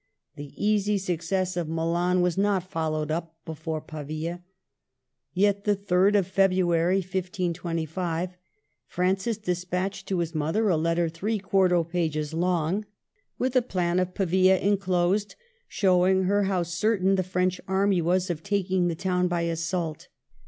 The easy success of Milan was not followed up before Pavia. Yet the 3d of February, 1525, Francis despatched to his mother a letter three quarto pages long, with a plan of Pavia enclosed, showing her how certain the French army was of taking the town by as sault.